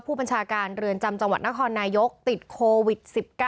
ผู้บัญชาการเรือนจำจังหวัดนครนายกติดโควิด๑๙